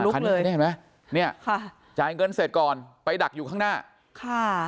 คันนี้เห็นไหมจ่ายเงินเสร็จก่อนไปดักอยู่ข้างหน้า